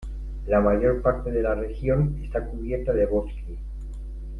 La mayor parte de la región está cubierta de bosque.